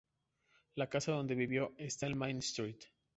La casa donde vivió esta en Main Street.